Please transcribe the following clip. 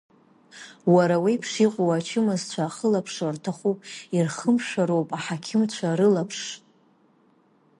Уара уеиԥш иҟоу ачымазцәа ахылаԥшра рҭахуп, ирхымшәароуп аҳақьымцәа рылаԥш.